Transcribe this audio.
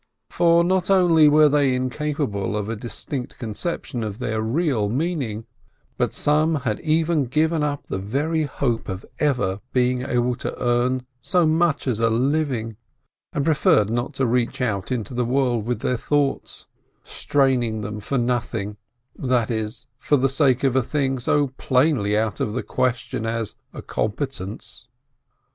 For not only were they incapable of a distinct con ception of their real meaning, but some had even given up the very hope of ever being able to earn so much as a living, and preferred not to reach out into the world with their thoughts, straining them for 450 BLINKItf nothing, that is, for the sake of a thing so plainly out of the question as a competence.